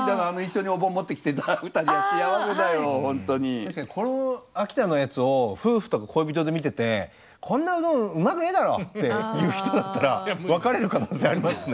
確かにこの秋田のやつを夫婦とか恋人で見てて「こんなうどんうまくねえだろ」って言う人だったら別れる可能性ありますね。